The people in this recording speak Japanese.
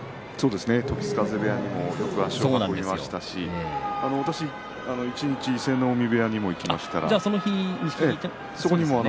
時津風部屋に足を運んでいましたし私も一日伊勢ノ海部屋にも行きました。